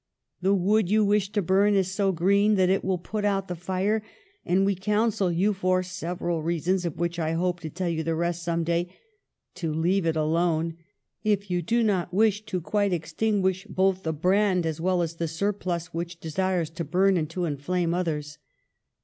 The wood you wish to burn is so green that it will put out the fire; and we counsel you (for several reasons, of which I hope to tell you the rest some day) to leave it alone, if you do not wish to quite extinguish both the brand as well as the surplus which desires to burn and to enfiame others."